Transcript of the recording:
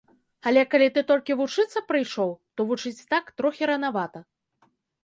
Але калі ты толькі вучыцца прыйшоў, то вучыць так трохі ранавата.